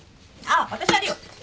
あっ私やるよ。